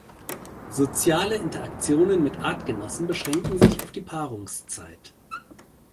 Soziale Interaktionen mit Artgenossen beschränken sich auf die Paarungszeit.